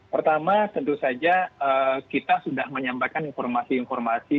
pertama tentu saja kita sudah menyampaikan informasi informasi